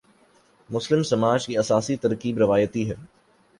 مسلم سماج کی اساسی ترکیب روایتی ہے۔